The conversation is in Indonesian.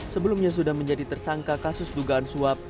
sebelumnya sudah menjadi tersangka kasus dugaan suap